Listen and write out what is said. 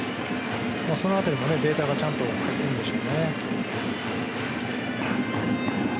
そのあたりもデータがちゃんとあるんでしょうね。